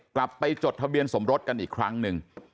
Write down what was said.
กลับไปจดทะเบียนสมรสกันอีกครั้งหนึ่ง